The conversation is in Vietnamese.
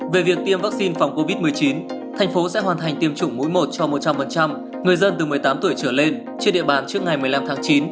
về việc tiêm vaccine phòng covid một mươi chín thành phố sẽ hoàn thành tiêm chủng mối một cho một trăm linh người dân từ một mươi tám tuổi trở lên trên địa bàn trước ngày một mươi năm tháng chín